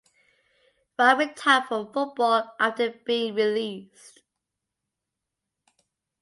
Wright retired from football after being released.